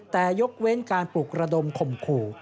แต่ยกเว้นการปลุกระดมข่มขู่